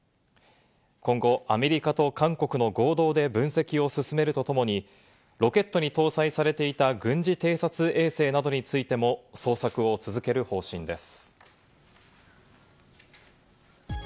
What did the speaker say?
今後、アメリカと韓国の合同で分析を進めるとともに、ロケットに搭載されていた、軍事偵察衛星などについても捜索を続ける方針です。